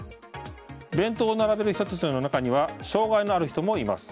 弁当を並べる人たちの中には障害のある人もいます。